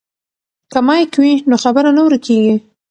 که مایک وي نو خبره نه ورکیږي.